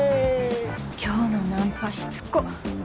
今日のナンパしつこっ！